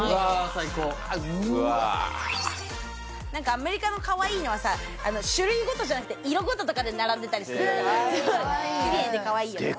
最高うわ何かアメリカのかわいいのはさ種類ごとじゃなくて色ごととかで並んでたりするのキレイでかわいいよね